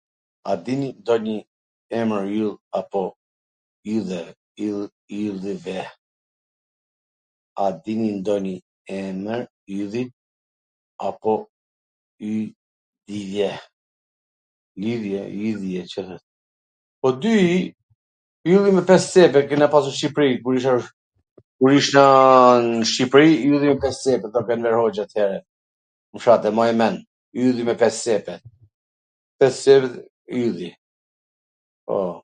A dini ndonjw emwr ylli apo yje? Po dyyi, ylli me pes cepe, kena pasur nw Shqipri kur isha... kur ishaaa n Shqipri Ylli me pes cepe thonte Enver Hoxha athere, kur shante ... e maj men, ylli me pes cepe, pes cepe ylli, po,